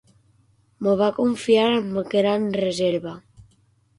M'ho va confiar amb gran reserva.